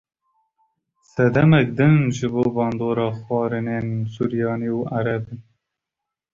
Sedemek din jî bandora xwarinên suryanî û ereb in.